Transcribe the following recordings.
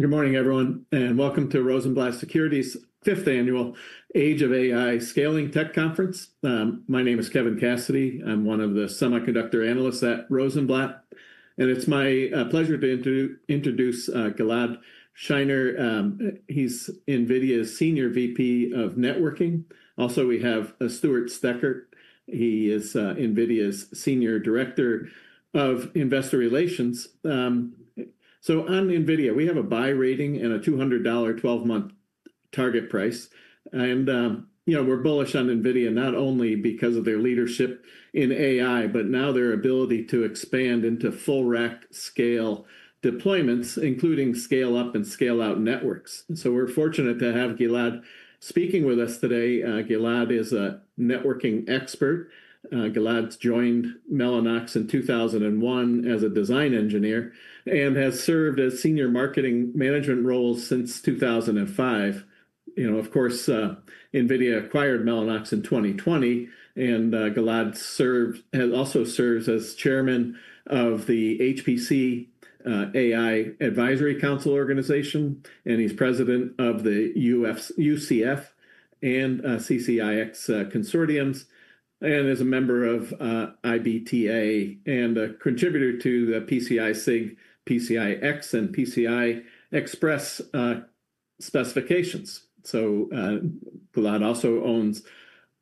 Good morning, everyone, and welcome to Rosenblatt Securities' fifth annual Age of AI Scaling Tech Conference. My name is Kevin Cassidy. I'm one of the semiconductor analysts at Rosenblatt, and it's my pleasure to introduce Gilad Shainer. He's NVIDIA's Senior VP of Networking. Also, we have Stewart Stecker. He is NVIDIA's Senior Director of Investor Relations. On NVIDIA, we have a buy rating and a $200 12-month target price. We're bullish on NVIDIA, not only because of their leadership in AI, but now their ability to expand into full rack scale deployments, including scale-up and scale-out networks. We're fortunate to have Gilad speaking with us today. Gilad is a networking expert. Gilad joined Mellanox in 2001 as a design engineer and has served as Senior Marketing Management role since 2005. Of course, NVIDIA acquired Mellanox in 2020, and Gilad also serves as Chairman of the HPC AI Advisory Council Organization, and he's President of the UCF and CCIX Consortiums, and is a member of IBTA and a contributor to the PCI SIG, PCI X, and PCI Express specifications. Gilad also owns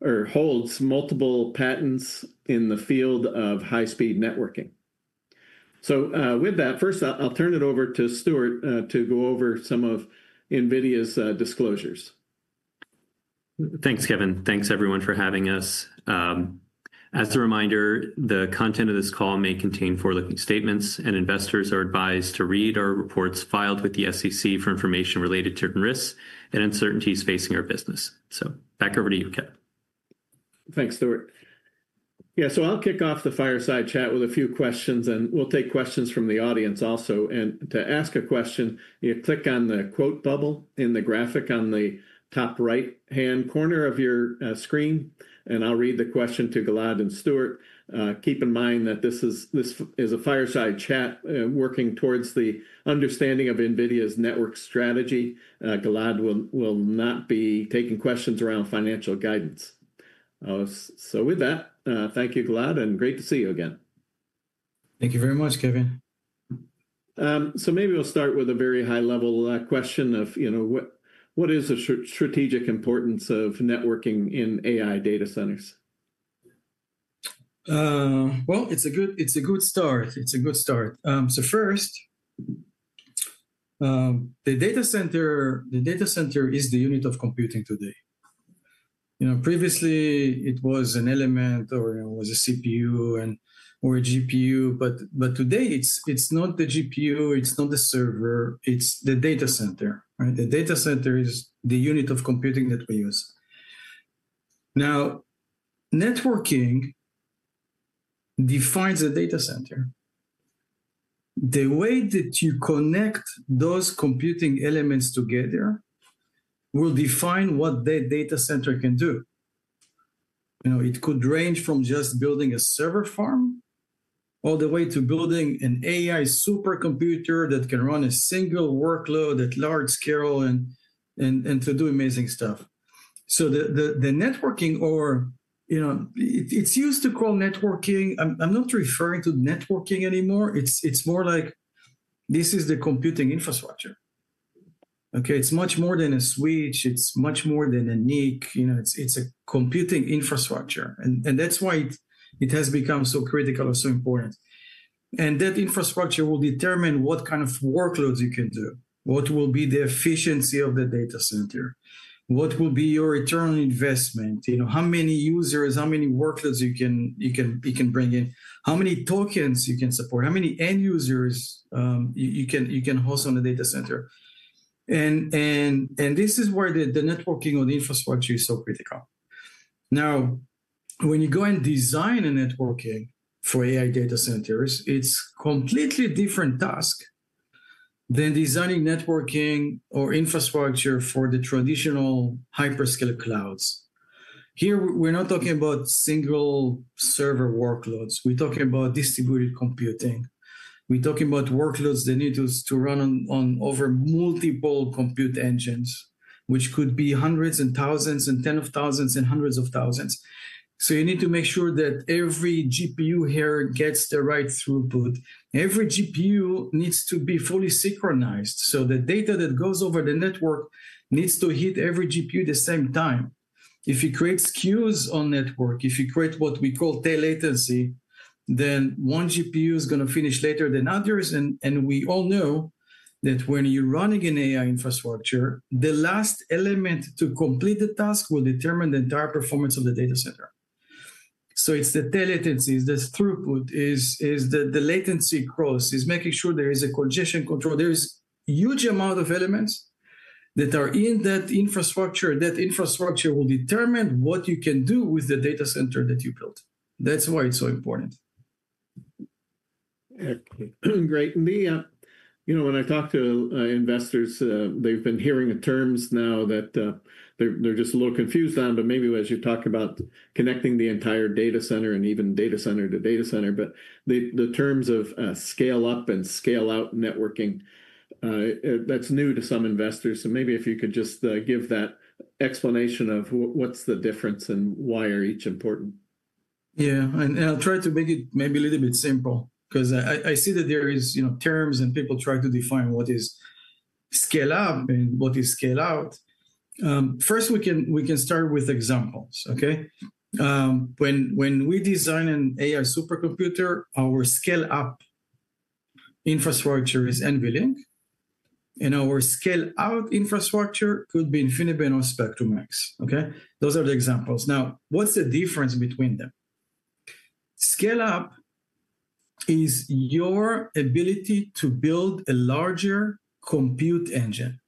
or holds multiple patents in the field of high-speed networking. With that, first, I'll turn it over to Stewart to go over some of NVIDIA's disclosures. Thanks, Kevin. Thanks, everyone, for having us. As a reminder, the content of this call may contain forward-looking statements, and investors are advised to read our reports filed with the SEC for information related to risks and uncertainties facing our business. Back over to you, Kevin. Thanks, Stewart. Yeah, so I'll kick off the fireside chat with a few questions, and we'll take questions from the audience also. To ask a question, you click on the quote bubble in the graphic on the top right-hand corner of your screen, and I'll read the question to Gilad and Stewart. Keep in mind that this is a fireside chat working towards the understanding of NVIDIA's network strategy. Gilad will not be taking questions around financial guidance. With that, thank you, Gilad, and great to see you again. Thank you very much, Kevin. Maybe we'll start with a very high-level question of what is the strategic importance of networking in AI data centers? It's a good start. It's a good start. First, the data center is the unit of computing today. Previously, it was an element or it was a CPU or a GPU, but today it's not the GPU, it's not the server, it's the data center. The data center is the unit of computing that we use. Now, networking defines a data center. The way that you connect those computing elements together will define what that data center can do. It could range from just building a server farm all the way to building an AI supercomputer that can run a single workload at large scale and to do amazing stuff. The networking, or it's used to call networking, I'm not referring to networking anymore. It's more like this is the computing infrastructure. It's much more than a switch. It's much more than a NIC. It's a computing infrastructure. That is why it has become so critical or so important. That infrastructure will determine what kind of workloads you can do, what will be the efficiency of the data center, what will be your return on investment, how many users, how many workloads you can bring in, how many tokens you can support, how many end users you can host on the data center. This is where the networking or the infrastructure is so critical. Now, when you go and design a networking for AI data centers, it's a completely different task than designing networking or infrastructure for the traditional hyperscale clouds. Here, we're not talking about single server workloads. We're talking about distributed computing. We're talking about workloads that need to run on over multiple compute engines, which could be hundreds and thousands and tens of thousands and hundreds of thousands. You need to make sure that every GPU here gets the right throughput. Every GPU needs to be fully synchronized. The data that goes over the network needs to hit every GPU at the same time. If you create skews on network, if you create what we call tail latency, then one GPU is going to finish later than others. We all know that when you're running an AI infrastructure, the last element to complete the task will determine the entire performance of the data center. It's the tail latency, the throughput, the latency cross, is making sure there is a congestion control. There's a huge amount of elements that are in that infrastructure. That infrastructure will determine what you can do with the data center that you built. That's why it's so important. Great. When I talk to investors, they've been hearing the terms now that they're just a little confused on, but maybe as you talk about connecting the entire data center and even data center to data center, but the terms of scale-up and scale-out networking, that's new to some investors. Maybe if you could just give that explanation of what's the difference and why are each important. Yeah, and I'll try to make it maybe a little bit simple because I see that there are terms and people try to define what is scale-up and what is scale-out. First, we can start with examples. When we design an AI supercomputer, our scale-up infrastructure is NVLink, and our scale-out infrastructure could be InfiniBand or Spectrum-X. Those are the examples. Now, what's the difference between them? Scale-up is your ability to build a larger compute engine.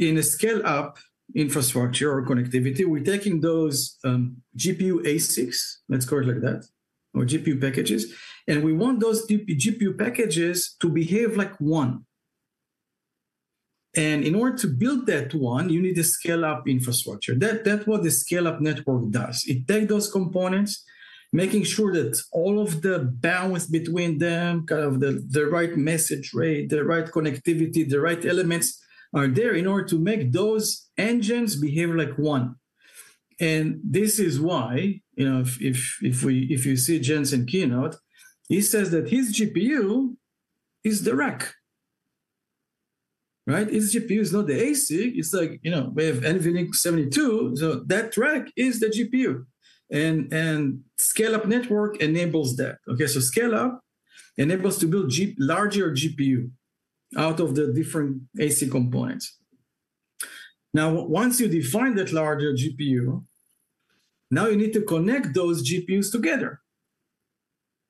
In a scale-up infrastructure or connectivity, we're taking those GPU ASICs, let's call it like that, or GPU packages, and we want those GPU packages to behave like one. In order to build that one, you need a scale-up infrastructure. That's what the scale-up network does. It takes those components, making sure that all of the balance between them, kind of the right message rate, the right connectivity, the right elements are there in order to make those engines behave like one. This is why if you see Jensen Keynote, he says that his GPU is the rack. His GPU is not the ASIC. It's like we have NVLink 72, so that rack is the GPU. Scale-up network enables that. Scale-up enables to build larger GPUs out of the different ASIC components. Now, once you define that larger GPU, now you need to connect those GPUs together.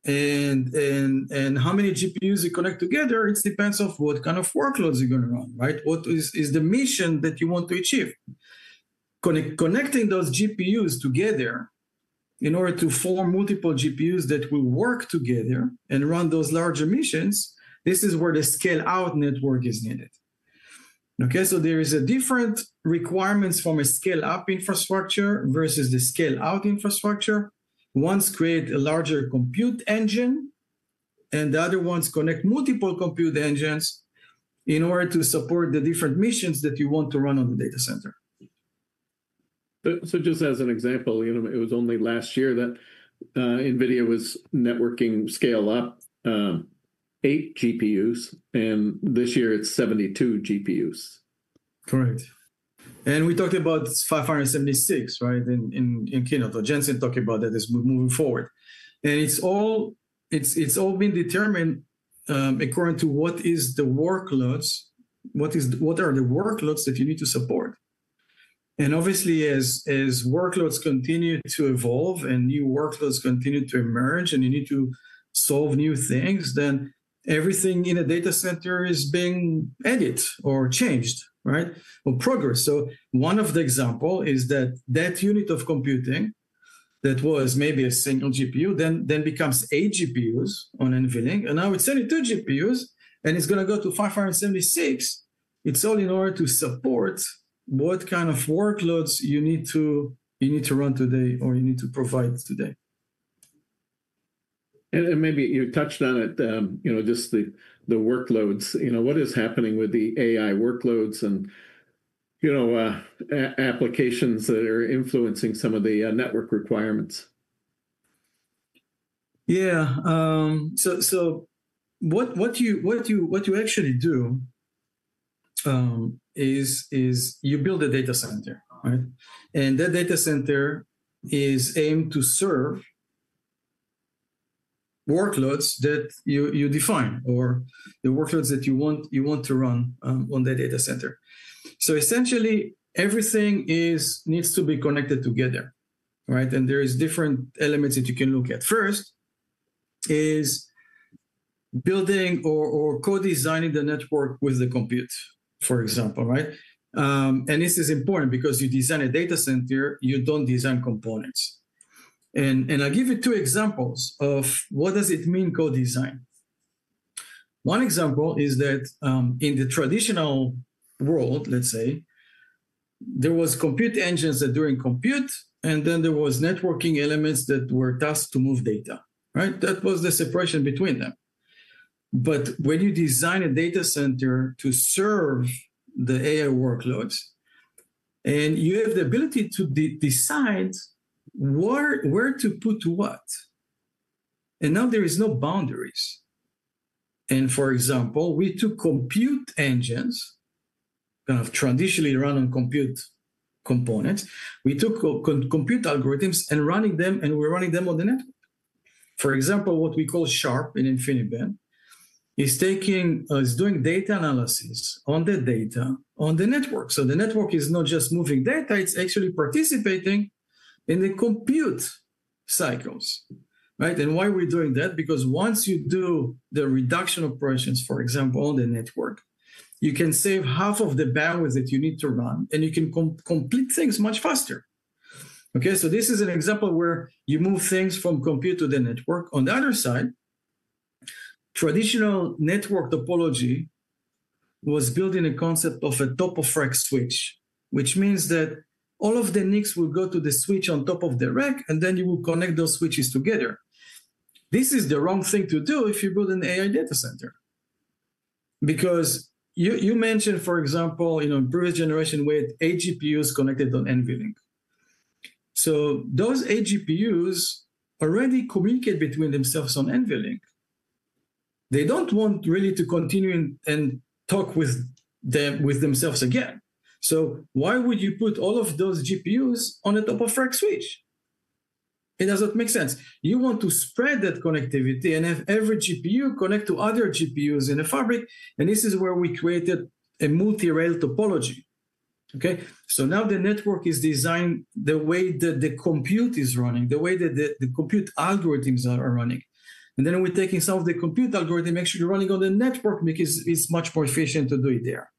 How many GPUs you connect together depends on what kind of workloads you're going to run. What is the mission that you want to achieve? Connecting those GPUs together in order to form multiple GPUs that will work together and run those larger missions, this is where the scale-out network is needed. There are different requirements from a scale-up infrastructure versus the scale-out infrastructure. One's creating a larger compute engine, and the other one's connecting multiple compute engines in order to support the different missions that you want to run on the data center. Just as an example, it was only last year that NVIDIA was networking scale-up eight GPUs, and this year it's 72 GPUs. Correct. We talked about 576 in keynote. Jensen talked about that as moving forward. It has all been determined according to what are the workloads that you need to support. Obviously, as workloads continue to evolve and new workloads continue to emerge and you need to solve new things, everything in a data center is being added or changed or progressed. One of the examples is that unit of computing that was maybe a single GPU then becomes eight GPUs on NVLink. Now it is 72 GPUs, and it is going to go to 576. It is all in order to support what kind of workloads you need to run today or you need to provide today. Maybe you touched on it, just the workloads. What is happening with the AI workloads and applications that are influencing some of the network requirements? Yeah. What you actually do is you build a data center. That data center is aimed to serve workloads that you define or the workloads that you want to run on the data center. Essentially, everything needs to be connected together. There are different elements that you can look at. First is building or co-designing the network with the compute, for example. This is important because you design a data center, you do not design components. I'll give you two examples of what does it mean co-design. One example is that in the traditional world, let's say, there were compute engines that were doing compute, and then there were networking elements that were tasked to move data. That was the separation between them. When you design a data center to serve the AI workloads, and you have the ability to decide where to put what, now there are no boundaries. For example, we took compute engines, kind of traditionally run on compute components. We took compute algorithms and running them, and we're running them on the network. For example, what we call SHARP in InfiniBand is doing data analysis on the data on the network. The network is not just moving data. It's actually participating in the compute cycles. Why are we doing that? Because once you do the reduction operations, for example, on the network, you can save half of the bandwidth that you need to run, and you can complete things much faster. This is an example where you move things from compute to the network. On the other side, traditional network topology was building a concept of a top of rack switch, which means that all of the NICs will go to the switch on top of the rack, and then you will connect those switches together. This is the wrong thing to do if you build an AI data center. Because you mentioned, for example, in previous generation, we had eight GPUs connected on NVLink. So those eight GPUs already communicate between themselves on NVLink. They do not want really to continue and talk with themselves again. Why would you put all of those GPUs on a top of rack switch? It does not make sense. You want to spread that connectivity and have every GPU connect to other GPUs in a fabric. This is where we created a multi-rail topology. Now the network is designed the way that the compute is running, the way that the compute algorithms are running. Then we're taking some of the compute algorithms actually running on the network because it's much more efficient to do it there.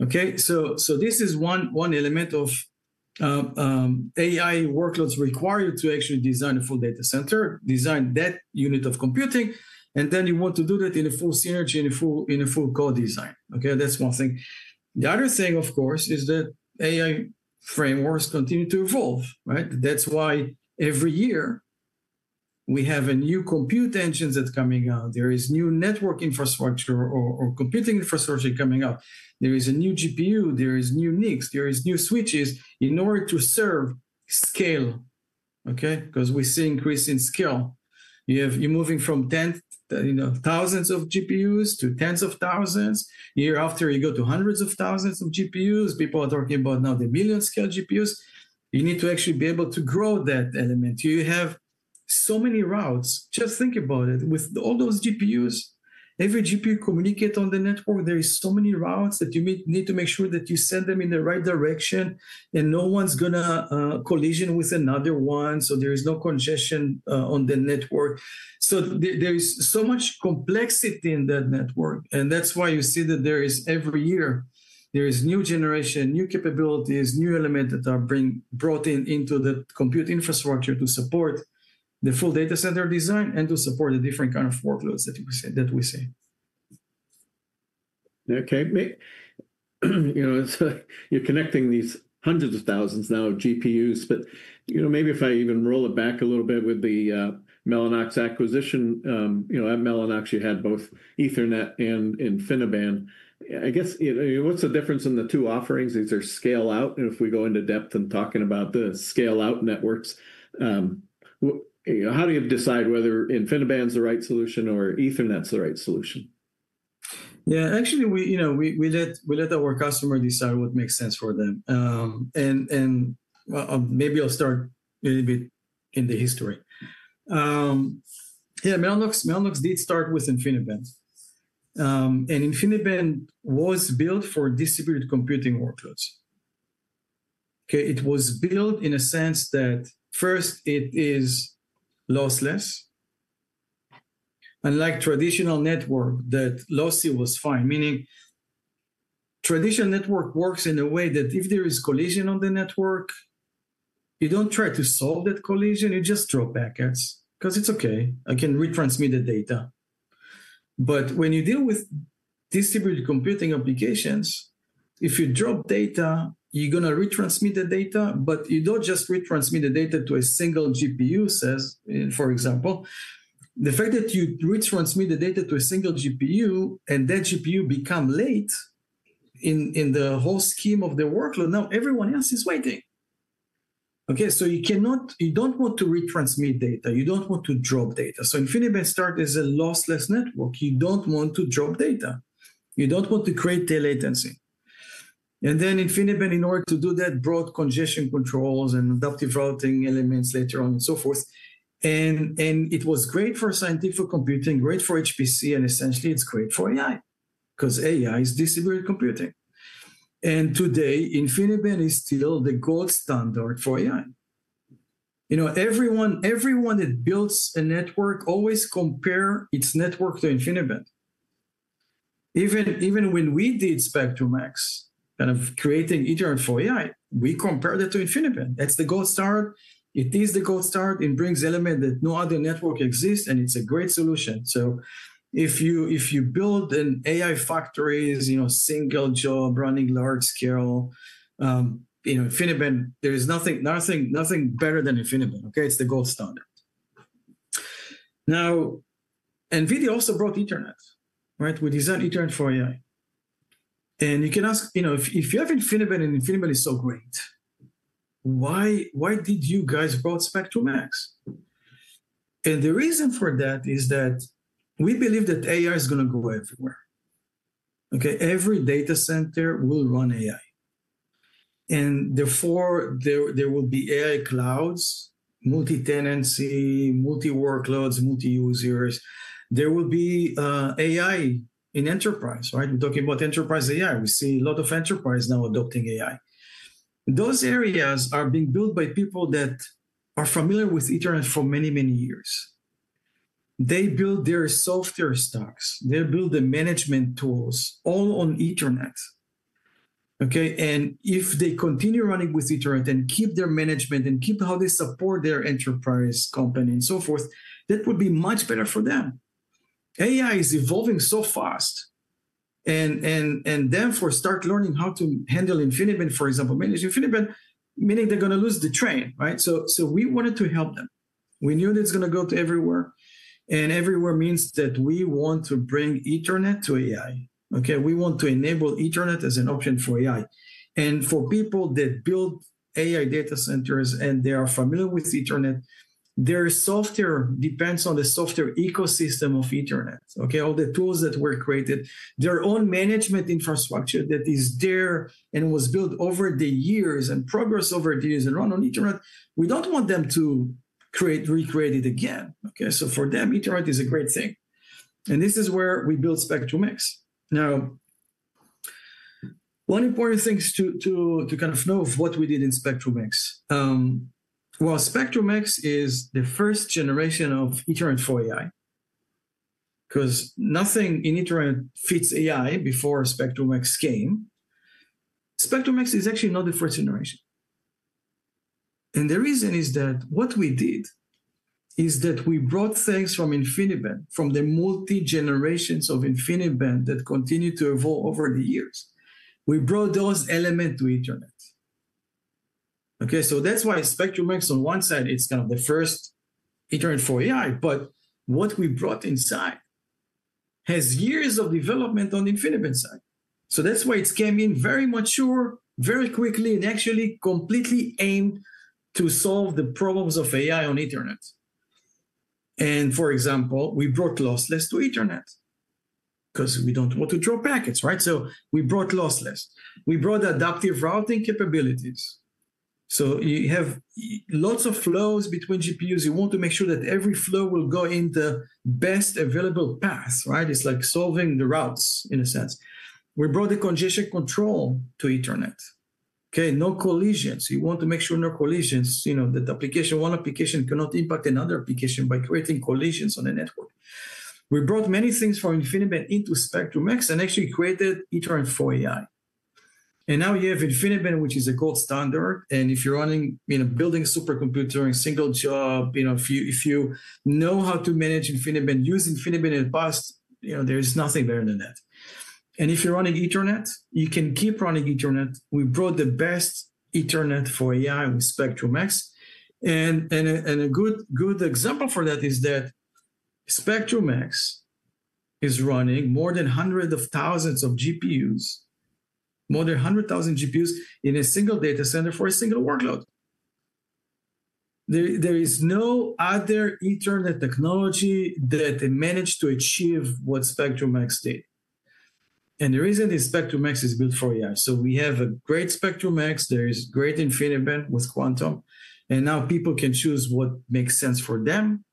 This is one element of AI workloads required to actually design a full data center, design that unit of computing, and then you want to do that in a full synergy, in a full co-design. That's one thing. The other thing, of course, is that AI frameworks continue to evolve. That's why every year we have a new compute engine that's coming out. There is new network infrastructure or computing infrastructure coming out. There is a new GPU. There are new NICs. There are new switches in order to serve scale because we see increase in scale. You're moving from thousands of GPUs to tens of thousands. A year after, you go to hundreds of thousands of GPUs. People are talking about now the million-scale GPUs. You need to actually be able to grow that element. You have so many routes. Just think about it. With all those GPUs, every GPU communicates on the network. There are so many routes that you need to make sure that you send them in the right direction and no one's going to collision with another one. There is no congestion on the network. There is so much complexity in that network. That's why you see that every year there is new generation, new capabilities, new elements that are brought into the compute infrastructure to support the full data center design and to support the different kind of workloads that we see. Okay. You're connecting these hundreds of thousands now of GPUs. Maybe if I even roll it back a little bit with the Mellanox acquisition, at Mellanox, you had both Ethernet and InfiniBand. I guess what's the difference in the two offerings? Is there scale-out? If we go into depth in talking about the scale-out networks, how do you decide whether InfiniBand is the right solution or Ethernet is the right solution? Yeah, actually, we let our customer decide what makes sense for them. Maybe I'll start a little bit in the history. Yeah, Mellanox did start with InfiniBand. InfiniBand was built for distributed computing workloads. It was built in a sense that first, it is lossless. Unlike traditional network, that lossy was fine, meaning traditional network works in a way that if there is collision on the network, you don't try to solve that collision. You just drop packets because it's okay. I can retransmit the data. When you deal with distributed computing applications, if you drop data, you're going to retransmit the data, but you don't just retransmit the data to a single GPU, for example. The fact that you retransmit the data to a single GPU and that GPU becomes late in the whole scheme of the workload, now everyone else is waiting. You do not want to retransmit data. You do not want to drop data. InfiniBand started as a lossless network. You do not want to drop data. You do not want to create the latency. InfiniBand, in order to do that, brought congestion controls and adaptive routing elements later on and so forth. It was great for scientific computing, great for HPC, and essentially, it is great for AI because AI is distributed computing. Today, InfiniBand is still the gold standard for AI. Everyone that builds a network always compares its network to InfiniBand. Even when we did Spectrum-X, kind of creating Ethernet for AI, we compared it to InfiniBand. That is the gold standard. It is the gold standard. It brings elements that no other network exists, and it is a great solution. If you build an AI factory, single job running large scale, InfiniBand, there is nothing better than InfiniBand. It is the gold standard. Now, NVIDIA also brought Ethernet. We designed Ethernet for AI. You can ask, if you have InfiniBand and InfiniBand is so great, why did you guys bring Spectrum-X? The reason for that is that we believe that AI is going to go everywhere. Every data center will run AI. Therefore, there will be AI clouds, multi-tenancy, multi-workloads, multi-users. There will be AI in enterprise. We are talking about enterprise AI. We see a lot of enterprise now adopting AI. Those areas are being built by people that are familiar with Ethernet for many, many years. They build their software stacks. They build the management tools all on Ethernet. If they continue running with Ethernet and keep their management and keep how they support their enterprise company and so forth, that would be much better for them. AI is evolving so fast. Therefore, start learning how to handle InfiniBand, for example, manage InfiniBand, meaning they're going to lose the train. We wanted to help them. We knew that it's going to go to everywhere. Everywhere means that we want to bring Ethernet to AI. We want to enable Ethernet as an option for AI. For people that build AI data centers and they are familiar with Ethernet, their software depends on the software ecosystem of Ethernet, all the tools that were created, their own management infrastructure that is there and was built over the years and progressed over the years and run on Ethernet. We do not want them to recreate it again. For them, Ethernet is a great thing. This is where we built Spectrum-X. Now, one important thing to kind of know of what we did in Spectrum-X. Spectrum-X is the first generation of Ethernet for AI because nothing in Ethernet fits AI before Spectrum-X came. Spectrum-X is actually not the first generation, and the reason is that what we did is that we brought things from InfiniBand, from the multi-generations of InfiniBand that continue to evolve over the years. We brought those elements to Ethernet. That is why Spectrum-X, on one side, is kind of the first Ethernet for AI, but what we brought inside has years of development on the InfiniBand side. That is why it came in very mature, very quickly, and actually completely aimed to solve the problems of AI on Ethernet. For example, we brought lossless to Ethernet because we do not want to drop packets. We brought lossless. We brought adaptive routing capabilities. You have lots of flows between GPUs. You want to make sure that every flow will go in the best available path. It is like solving the routes, in a sense. We brought the congestion control to Ethernet. No collisions. You want to make sure no collisions, that one application cannot impact another application by creating collisions on the network. We brought many things from InfiniBand into Spectrum-X and actually created Ethernet for AI. Now you have InfiniBand, which is a gold standard. If you are building a supercomputer in single job, if you know how to manage InfiniBand, use InfiniBand in the past, there is nothing better than that. If you are running Ethernet, you can keep running Ethernet. We brought the best Ethernet for AI with Spectrum-X. A good example for that is that Spectrum-X is running more than hundreds of thousands of GPUs, more than 100,000 GPUs in a single data center for a single workload. There is no other Ethernet technology that managed to achieve what Spectrum-X did. The reason is Spectrum-X is built for AI. We have a great Spectrum-X. There is great InfiniBand with Quantum. Now people can choose what makes sense for them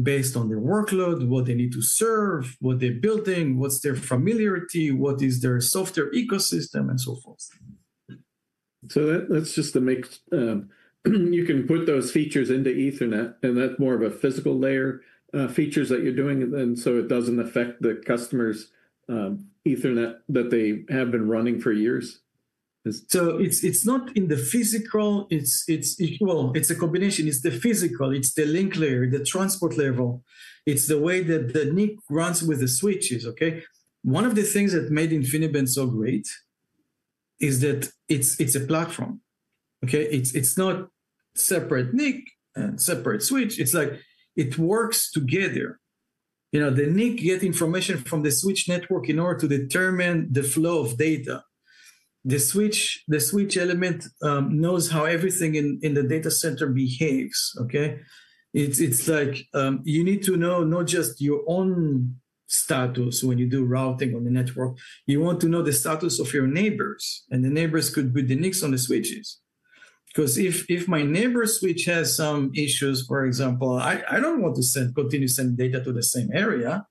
based on their workload, what they need to serve, what they're building, what's their familiarity, what is their software ecosystem, and so forth. That's just to make you can put those features into Ethernet and that more of a physical layer features that you're doing, and so it doesn't affect the customer's Ethernet that they have been running for years. It's not in the physical. It's a combination. It's the physical. It's the link layer, the transport level. It's the way that the NIC runs with the switches. One of the things that made InfiniBand so great is that it's a platform. It's not separate NIC and separate switch. It's like it works together. The NIC gets information from the switch network in order to determine the flow of data. The switch element knows how everything in the data center behaves. You need to know not just your own status when you do routing on the network. You want to know the status of your neighbors. The neighbors could be the NICs on the switches. If my neighbor's switch has some issues, for example, I don't want to continue sending data to the same area.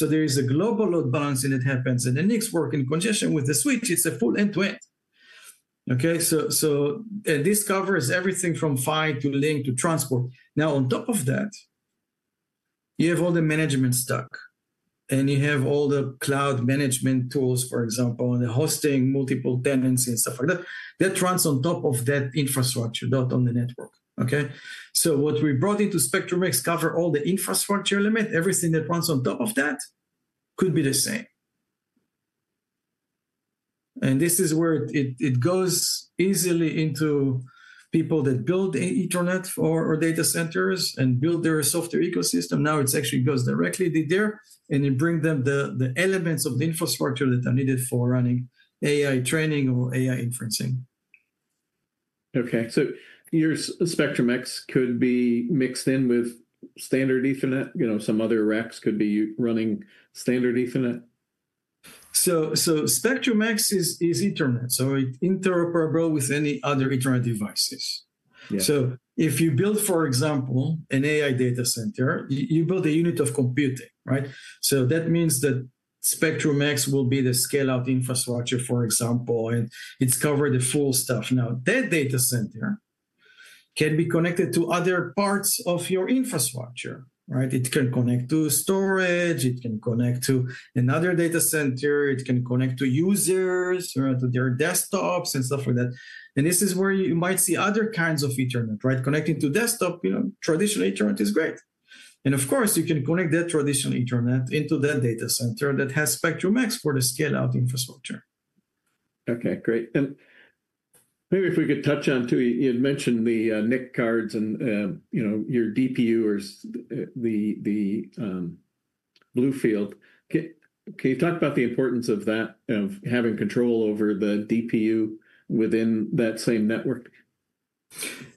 There is a global load balancing that happens. The NICs work in congestion with the switch. It's a full end-to-end. This covers everything from PHY to link to transport. On top of that, you have all the management stack. You have all the cloud management tools, for example, and the hosting, multiple tenancy, and stuff like that. That runs on top of that infrastructure, not on the network. What we brought into Spectrum-X covers all the infrastructure limit. Everything that runs on top of that could be the same. This is where it goes easily into people that build Ethernet or data centers and build their software ecosystem. Now it actually goes directly there. You bring them the elements of the infrastructure that are needed for running AI training or AI inferencing. Okay. So your Spectrum-X could be mixed in with standard Ethernet. Some other racks could be running standard Ethernet. SpectrumX is Ethernet. It is interoperable with any other Ethernet devices. If you build, for example, an AI data center, you build a unit of computing. That means that SpectrumX will be the scale-out infrastructure, for example. It covers the full stack. Now, that data center can be connected to other parts of your infrastructure. It can connect to storage. It can connect to another data center. It can connect to users, to their desktops, and stuff like that. This is where you might see other kinds of Ethernet. Connecting to desktop, traditional Ethernet is great. Of course, you can connect that traditional Ethernet into that data center that has SpectrumX for the scale-out infrastructure. Okay. Great. Maybe if we could touch on, too, you had mentioned the NIC cards and your DPU or the BlueField. Can you talk about the importance of that, of having control over the DPU within that same network?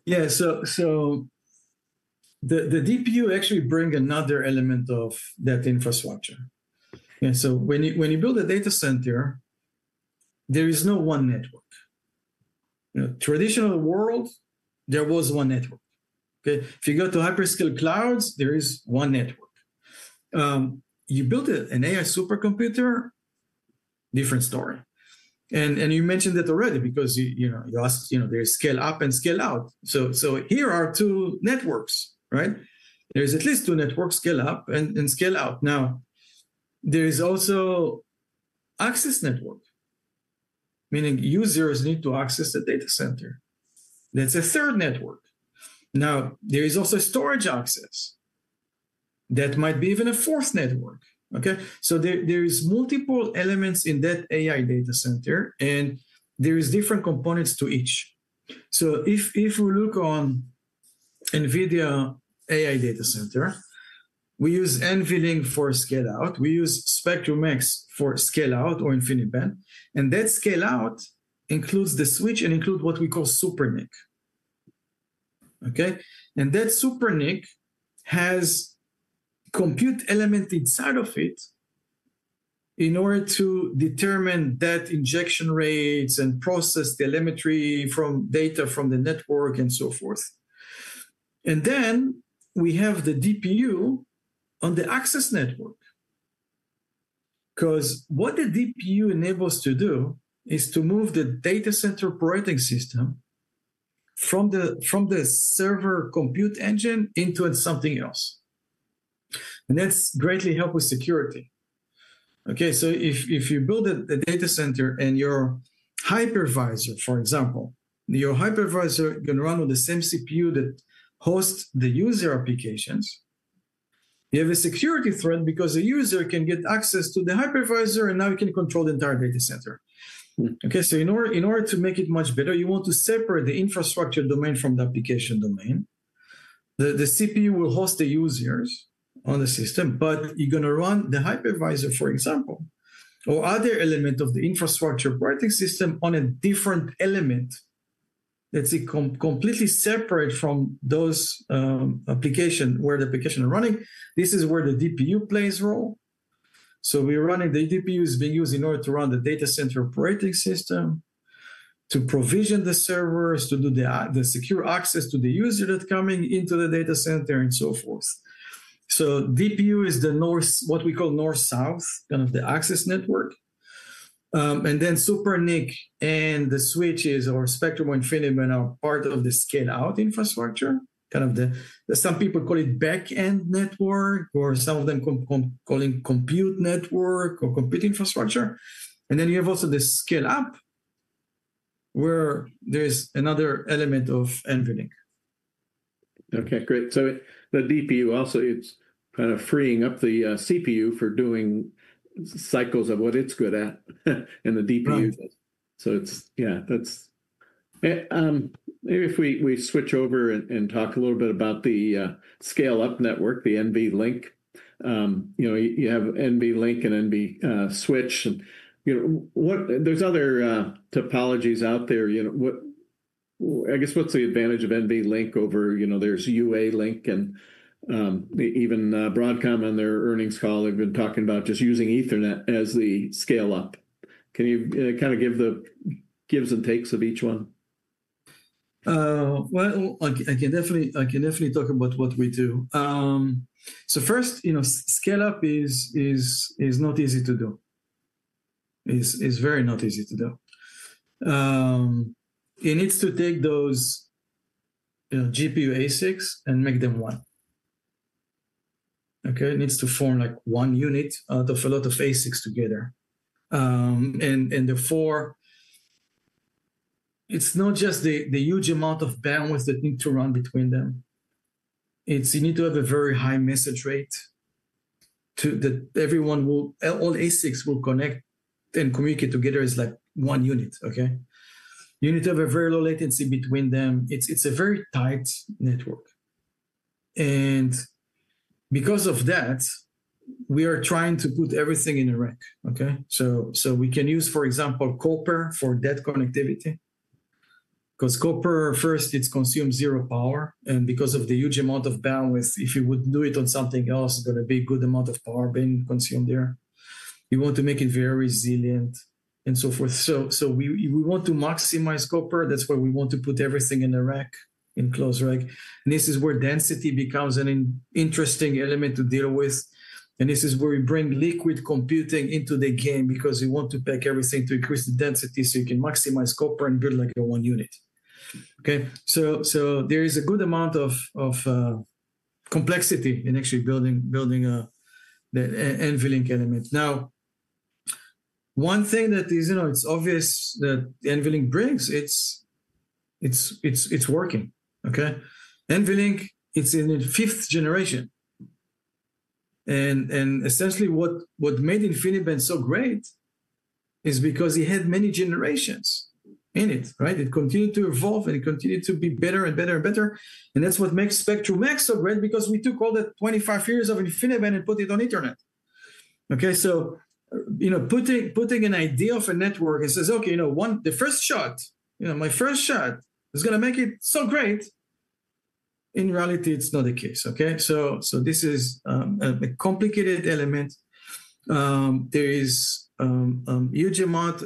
Yeah. So the DPU actually brings another element of that infrastructure. And so when you build a data center, there is no one network. Traditional world, there was one network. If you go to hyperscale clouds, there is one network. You build an AI supercomputer, different story. You mentioned it already because you asked, there is scale-up and scale-out. Here are two networks. There is at least two networks, scale-up and scale-out. Now, there is also access network, meaning users need to access the data center. That is a third network. Now, there is also storage access that might be even a fourth network. There are multiple elements in that AI data center. There are different components to each. If we look on NVIDIA AI data center, we use NVLink for scale-up. We use Spectrum-X for scale-out or InfiniBand. That scale-out includes the switch and includes what we call SuperNIC. That SuperNIC has a compute element inside of it in order to determine the injection rates and process telemetry from data from the network and so forth. We have the DPU on the access network. What the DPU enables you to do is to move the data center operating system from the server compute engine into something else. That greatly helps with security. If you build a data center and your hypervisor, for example, your hypervisor can run on the same CPU that hosts the user applications, you have a security threat because a user can get access to the hypervisor. Now you can control the entire data center. In order to make it much better, you want to separate the infrastructure domain from the application domain. The CPU will host the users on the system. You're going to run the hypervisor, for example, or other elements of the infrastructure operating system on a different element that's completely separate from those applications where the applications are running. This is where the DPU plays a role. We're running the DPU is being used in order to run the data center operating system, to provision the servers, to do the secure access to the user that's coming into the data center, and so forth. DPU is what we call north-south, kind of the access network. SuperNIC and the switches or Spectrum or InfiniBand are part of the scale-out infrastructure. Some people call it back-end network, or some of them call it compute network or compute infrastructure. You have also the scale-up, where there is another element of NVLink. Okay. Great. The DPU also is kind of freeing up the CPU for doing cycles of what it's good at. The DPU does. Yeah, maybe if we switch over and talk a little bit about the scale-up network, the NVLink. You have NVLink and NVSwitch. There are other topologies out there. I guess what's the advantage of NVLink over, there's UALink, and even Broadcom on their earnings call, they've been talking about just using Ethernet as the scale-up. Can you kind of give the gives and takes of each one? I can definitely talk about what we do. First, scale-up is not easy to do. It's very not easy to do. It needs to take those GPU ASICs and make them one. It needs to form one unit out of a lot of ASICs together. Therefore, it's not just the huge amount of bandwidth that needs to run between them. You need to have a very high message rate that everyone, all ASICs, will connect and communicate together as one unit. You need to have a very low latency between them. It's a very tight network. Because of that, we are trying to put everything in a rack. We can use, for example, Copper for that connectivity. Copper, first, it consumes zero power. Because of the huge amount of bandwidth, if you would do it on something else, there would be a good amount of power being consumed there. You want to make it very resilient and so forth. We want to maximize Copper. That's why we want to put everything in a rack, in a closed rack. This is where density becomes an interesting element to deal with. This is where we bring liquid computing into the game because we want to pack everything to increase the density so you can maximize Copper and build like a one unit. There is a good amount of complexity in actually building NVLink elements. One thing that is obvious that NVLink brings, it's working. NVLink, it's in its 5th generation. Essentially, what made InfiniBand so great is because it had many generations in it. It continued to evolve. It continued to be better and better and better. That is what makes Spectrum-X so great because we took all the 25 years of InfiniBand and put it on Ethernet. Putting an idea of a network, it says, "Okay, the first shot, my first shot, is going to make it so great." In reality, it is not the case. This is a complicated element. There is a huge amount,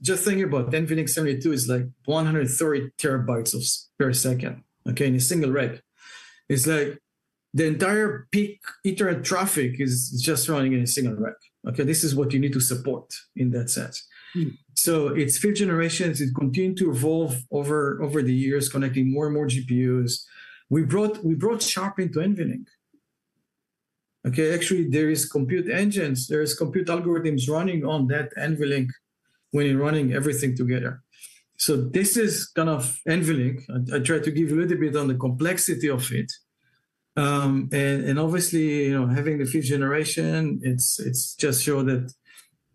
just thinking about NVLink 72 is like 130 terabytes per second in a single rack. It is like the entire peak Ethernet traffic is just running in a single rack. This is what you need to support in that sense. It is few generations. It continued to evolve over the years, connecting more and more GPUs. We brought SHARP into NVLink. Actually, there are compute engines. There are compute algorithms running on that NVLink when you are running everything together. This is kind of NVLink. I tried to give you a little bit on the complexity of it. Obviously, having the 5th generation, it just showed that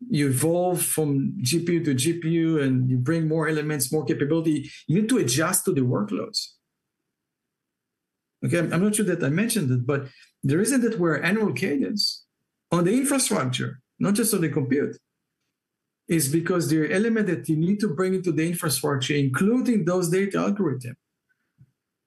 you evolve from GPU to GPU. You bring more elements, more capability. You need to adjust to the workloads. I'm not sure that I mentioned it, but the reason that we're annual cadence on the infrastructure, not just on the compute, is because there are elements that you need to bring into the infrastructure, including those data algorithms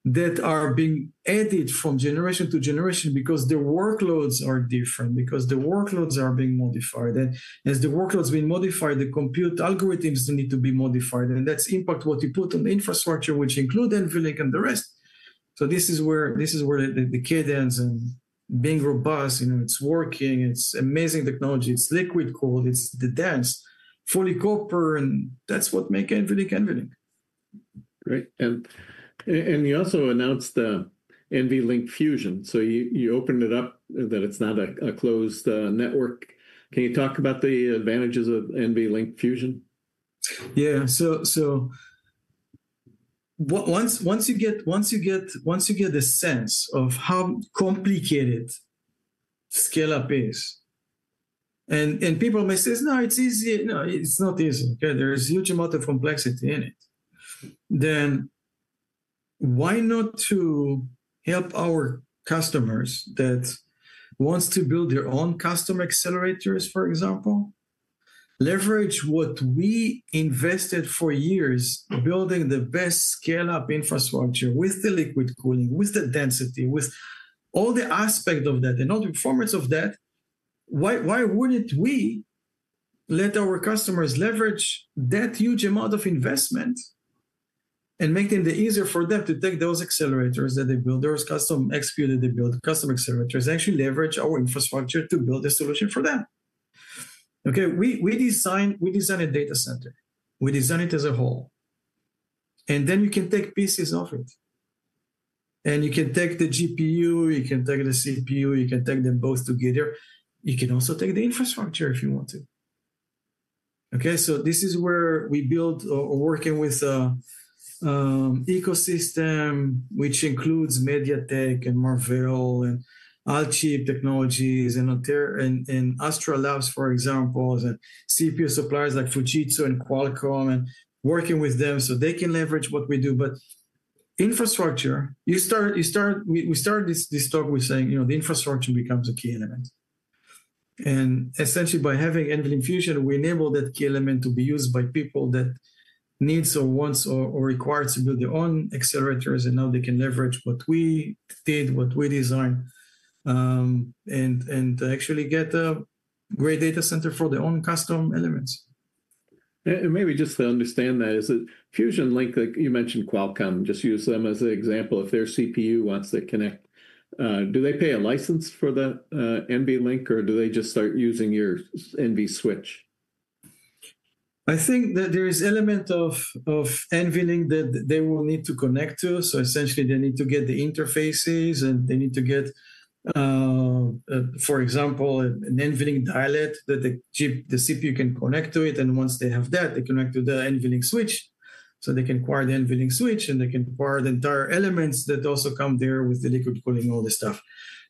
that are being added from generation to generation because the workloads are different, because the workloads are being modified. As the workloads are being modified, the compute algorithms need to be modified. That impacts what you put on the infrastructure, which includes NVLink and the rest. This is where the cadence and being robust, it's working. It's amazing technology. It's liquid cooled. It's the dance. Fully copper. And that's what makes NVLink NVLink. Great. You also announced the NVLink Fusion. You opened it up that it is not a closed network. Can you talk about the advantages of NVLink Fusion? Yeah. Once you get the sense of how complicated scale-up is, and people may say, "No, it's easy." No, it's not easy. There is a huge amount of complexity in it. Why not help our customers that want to build their own custom accelerators, for example, leverage what we invested for years building the best scale-up infrastructure with the liquid cooling, with the density, with all the aspects of that and all the performance of that? Why wouldn't we let our customers leverage that huge amount of investment and make it easier for them to take those accelerators that they build, those custom XPU that they build, custom accelerators, and actually leverage our infrastructure to build a solution for them? We design a data center. We design it as a whole. You can take pieces of it. You can take the GPU. You can take the CPU. You can take them both together. You can also take the infrastructure if you want to. This is where we build or are working with ecosystem, which includes MediaTek and Marvell and Alchip Technologies and Astera Labs, for example, and CPU suppliers like Fujitsu and Qualcomm and working with them so they can leverage what we do. Infrastructure, we start this talk with saying the infrastructure becomes a key element. Essentially, by having NVLink Fusion, we enable that key element to be used by people that need or want or require to build their own accelerators. Now they can leverage what we did, what we designed, and actually get a great data center for their own custom elements. Maybe just to understand that, is that NVLink Fusion, you mentioned Qualcomm, just use them as an example. If their CPU wants to connect, do they pay a license for the NVLink? Or do they just start using your NVSwitch? I think that there is an element of NVLink that they will need to connect to. Essentially, they need to get the interfaces. They need to get, for example, an NVLink dialect that the CPU can connect to it. Once they have that, they connect to the NVLink switch. They can acquire the NVLink switch. They can acquire the entire elements that also come there with the liquid cooling, all this stuff.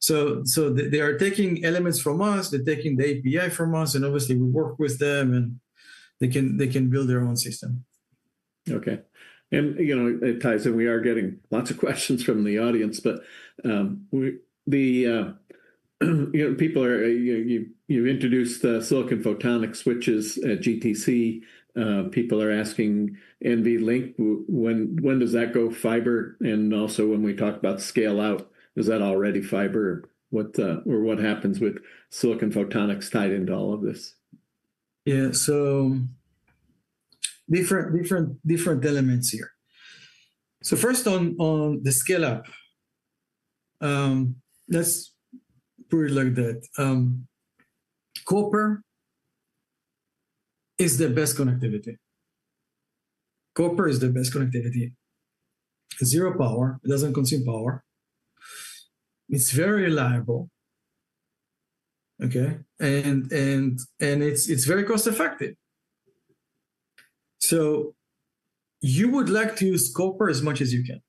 They are taking elements from us. They're taking the API from us. Obviously, we work with them. They can build their own system. Okay. Tyson, we are getting lots of questions from the audience. People are, you've introduced the Silicon Photonics switches at GTC. People are asking, NVLink, when does that go fiber? Also, when we talk about scale-out, is that already fiber? What happens with Silicon Photonics tied into all of this? Yeah. Different elements here. First, on the scale-up, let's put it like that. Copper is the best connectivity. Copper is the best connectivity. It's zero power. It doesn't consume power. It's very reliable. It's very cost-effective. You would like to use Copper as much as you can,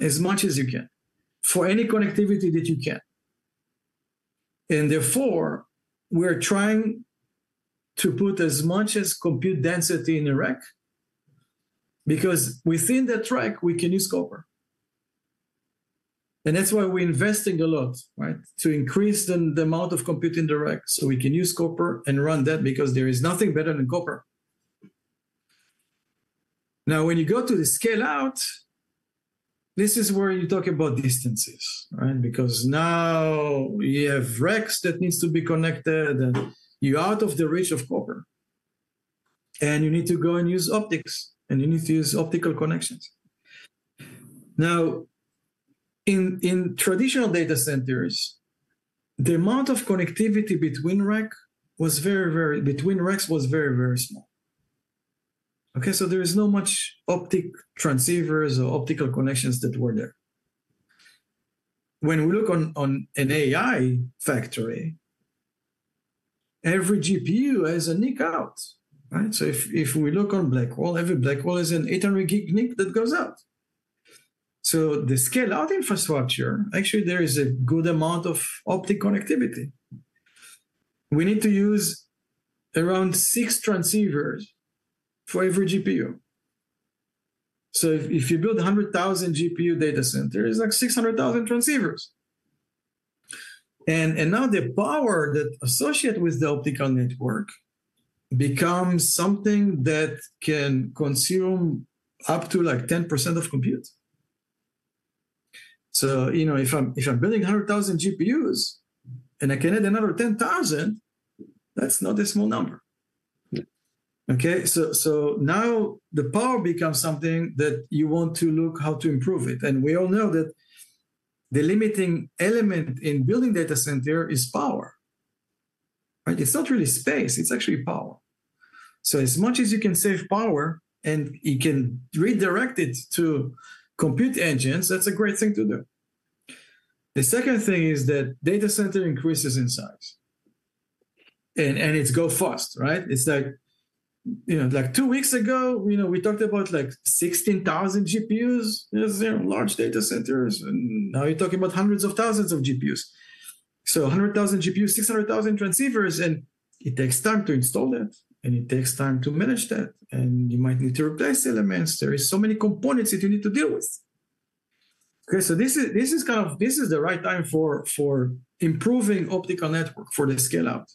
as much as you can, for any connectivity that you can. Therefore, we are trying to put as much compute density in a rack, because within that rack, we can use Copper. That's why we're investing a lot to increase the amount of compute in the rack so we can use Copper and run that, because there is nothing better than Copper. Now, when you go to the scale-out, this is where you talk about distances, because now you have racks that need to be connected, and you're out of the reach of Copper. You need to go and use optics. You need to use optical connections. In traditional data centers, the amount of connectivity between racks was very, very small. There is not much optic transceivers or optical connections that were there. When we look on an AI factory, every GPU has a NIC out. If we look on Blackwell, every Blackwell has an 800 gig NIC that goes out. The scale-out infrastructure, actually, there is a good amount of optic connectivity. We need to use around six transceivers for every GPU. If you build 100,000 GPU data centers, that's like 600,000 transceivers. Now the power that's associated with the optical network becomes something that can consume up to like 10% of compute. If I'm building 100,000 GPUs and I can add another 10,000, that's not a small number. Now the power becomes something that you want to look at how to improve it. We all know that the limiting element in building data centers is power. It is not really space. It is actually power. As much as you can save power and you can redirect it to compute engines, that is a great thing to do. The second thing is that data centers increase in size. It goes fast. Like two weeks ago, we talked about 16,000 GPUs in large data centers. Now you are talking about hundreds of thousands of GPUs. So 100,000 GPUs, 600,000 transceivers. It takes time to install that. It takes time to manage that. You might need to replace elements. There are so many components that you need to deal with. This is the right time for improving optical network for the scale-out.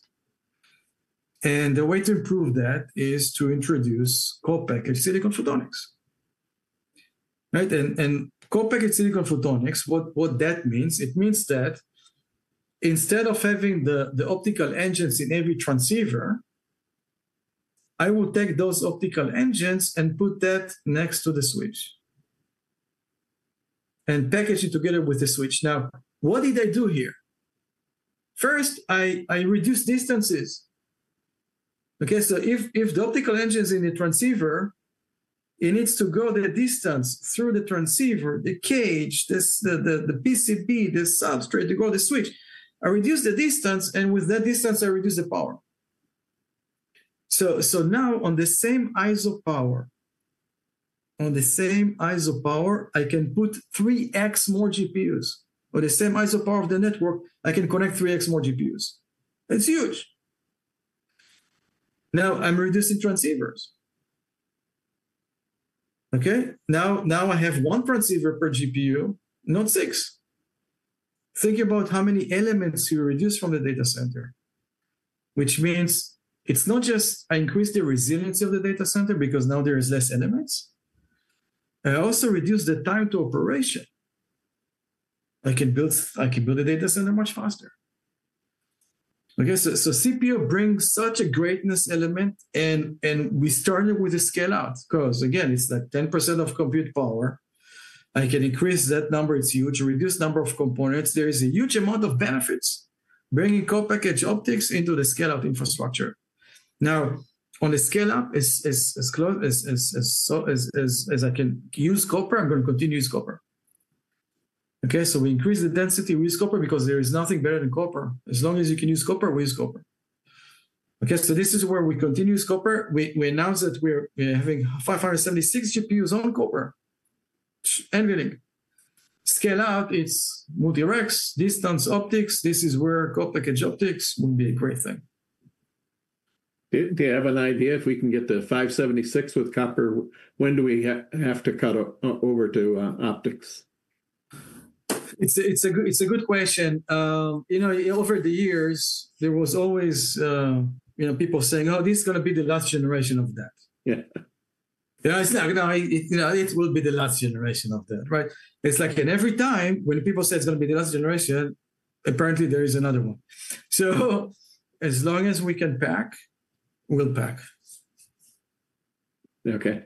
The way to improve that is to introduce Co-Packaged Silicon Photonics. Co-Packaged Silicon Photonics, what that means, it means that instead of having the optical engines in every transceiver, I will take those optical engines and put that next to the switch and package it together with the switch. Now, what did I do here? First, I reduced distances. If the optical engine is in the transceiver, it needs to go the distance through the transceiver, the cage, the PCB, the substrate, to go to the switch. I reduced the distance. With that distance, I reduced the power. Now, on the same ISO power, on the same ISO power, I can put 3x more GPUs. On the same ISO power of the network, I can connect 3x more GPUs. That's huge. Now, I'm reducing transceivers. Now, I have one transceiver per GPU, not six. Think about how many elements you reduce from the data center, which means it's not just I increased the resiliency of the data center because now there are less elements. I also reduced the time to operation. I can build the data center much faster. CPU brings such a greatness element. We started with the scale-out. Because again, it's like 10% of compute power. I can increase that number. It's huge. Reduce the number of components. There is a huge amount of benefits bringing Co-Packaged Optics into the scale-out infrastructure. Now, on the scale-up, as close as I can use Copper, I'm going to continue to use Copper. We increase the density. We use Copper because there is nothing better than Copper. As long as you can use Copper, we use Copper. This is where we continue to use Copper. We announced that we're having 576 GPUs on Copper. NVLink. Scale-out, it's multi-racks, distance, optics. This is where Co-Packaged Optics will be a great thing. Do you have an idea if we can get to 576 with Copper? When do we have to cut over to optics? It's a good question. Over the years, there was always people saying, "Oh, this is going to be the last generation of that." Yeah. It's like, "No, it will be the last generation of that." It's like every time when people say it's going to be the last generation, apparently, there is another one. As long as we can pack, we'll pack. Okay.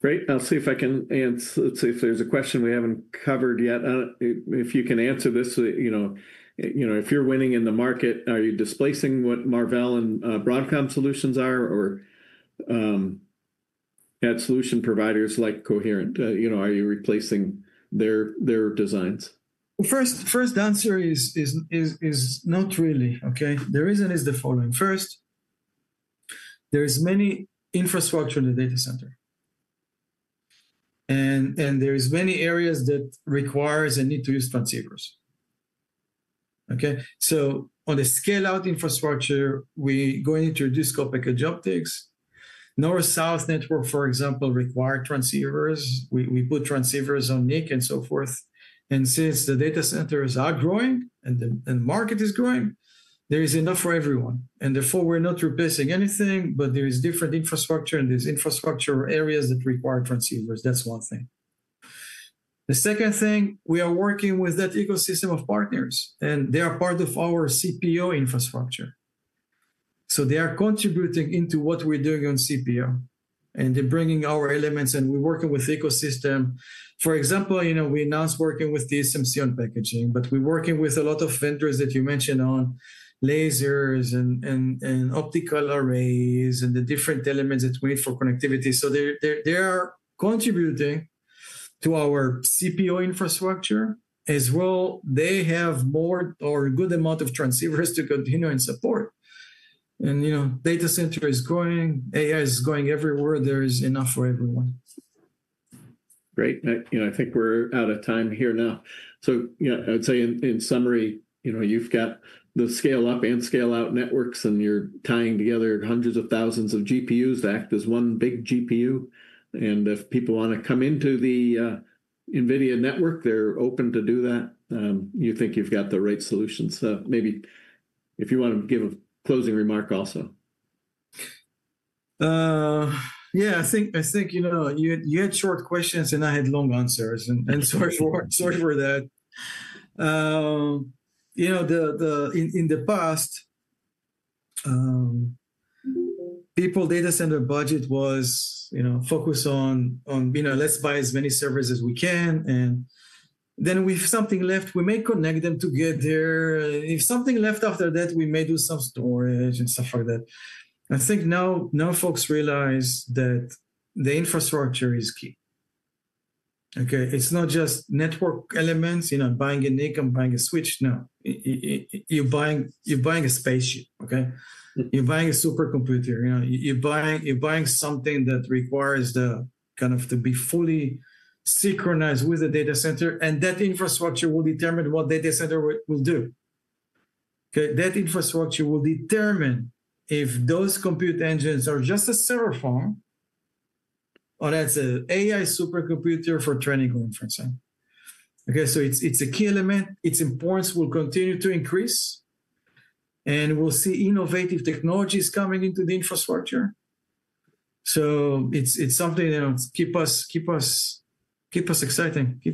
Great. I'll see if I can answer. Let's see if there's a question we haven't covered yet. If you can answer this, if you're winning in the market, are you displacing what Marvell and Broadcom solutions are or add solution providers like Coherent? Are you replacing their designs? First answer is not really. The reason is the following. First, there are many infrastructures in the data center. There are many areas that require and need to use transceivers. On the scale-out infrastructure, we're going to introduce Co-Packaged Optics. North-South Network, for example, requires transceivers. We put transceivers on NIC and so forth. Since the data centers are growing and the market is growing, there is enough for everyone. Therefore, we're not replacing anything. There is different infrastructure. There are infrastructure areas that require transceivers. That's one thing. The second thing, we are working with that ecosystem of partners. They are part of our CPO infrastructure. They are contributing into what we're doing on CPO. They're bringing our elements. We're working with the ecosystem. For example, we announced working with TSMC on packaging. We're working with a lot of vendors that you mentioned on lasers and optical arrays and the different elements that we need for connectivity. They are contributing to our CPO infrastructure as well. They have more or a good amount of transceivers to continue and support. Data center is growing. AI is going everywhere. There is enough for everyone. Great. I think we're out of time here now. I would say, in summary, you've got the scale-up and scale-out networks. You're tying together hundreds of thousands of GPUs to act as one big GPU. If people want to come into the NVIDIA network, they're open to do that. You think you've got the right solutions. Maybe if you want to give a closing remark also. Yeah. I think you had short questions. I had long answers. Sorry for that. In the past, people's data center budget was focused on, "Let's buy as many servers as we can." If something left, we may connect them together. If something left after that, we may do some storage and stuff like that. I think now folks realize that the infrastructure is key. It's not just network elements, buying a NIC and buying a switch. No. You're buying a spaceship. You're buying a supercomputer. You're buying something that requires the kind of to be fully synchronized with the data center. That infrastructure will determine what data center will do. That infrastructure will determine if those compute engines are just a server farm or that's an AI supercomputer for training or inferencing. It's a key element. Its importance will continue to increase. We'll see innovative technologies coming into the infrastructure. It's something that keeps us excited. Yeah.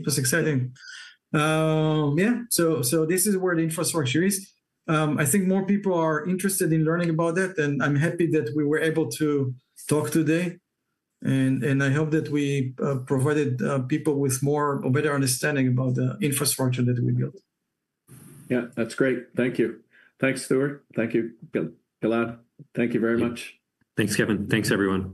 This is where the infrastructure is. I think more people are interested in learning about that. I'm happy that we were able to talk today. I hope that we provided people with more or better understanding about the infrastructure that we built. Yeah. That's great. Thank you. Thanks, Stewart. Thank you, Gilad. Thank you very much. Thanks, Kevin. Thanks, everyone.